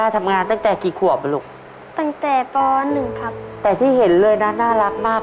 แต่ที่เห็นเลยนะน่ารักมาก